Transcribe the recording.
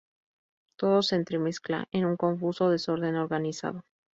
Todo se entremezcla en un confuso desorden organizado.